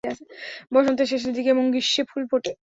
বসন্তের শেষের দিকে এবং গ্রীষ্মে ফুল ফোটে।